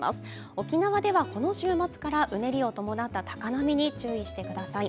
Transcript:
沖縄ではこの週末からうねりを伴った高波に注意してください。